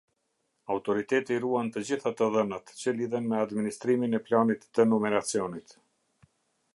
Autoriteti ruan të gjitha të dhënat, që lidhen me administrimin e planit të numeracionit.